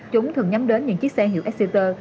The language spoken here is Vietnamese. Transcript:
chúng thường nhắm đến những chiếc xe hiệu exeter